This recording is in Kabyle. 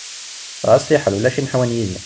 Ɣas fiḥel, ulac ineḥwan yid-i!